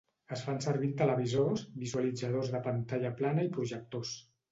Es fan servir en televisors, visualitzadors de pantalla plana i projectors.